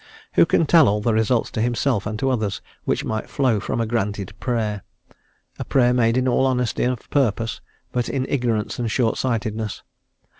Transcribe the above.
Who can tell all the results to himself and to others which might flow from a granted Prayer, a Prayer made in all honesty of purpose, but in ignorance and short sightedness?